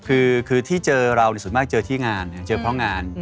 คือที่เจอเราส่วนมากเจอที่งานเจอเพราะงาน